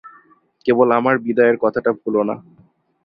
কেবল আমার বিদায়ের কথাটা ভুলো না।